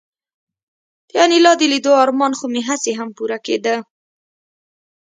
د انیلا د لیدو ارمان خو مې هسې هم پوره کېده